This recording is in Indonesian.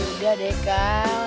udah deh kal